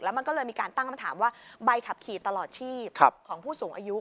มันก็เลยมีการตั้งคำถามว่าใบขับขี่ตลอดชีพของผู้สูงอายุ